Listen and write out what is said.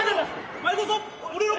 お前こそ！